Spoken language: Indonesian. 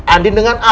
andin dengan al